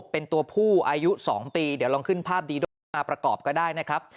เป็นตัวผู้อายุ๒ปีเดี๋ยวลองขึ้นภาพดีด้วยมาประกอบก็ได้นะครับ